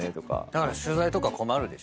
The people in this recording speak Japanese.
だから取材とか困るでしょ？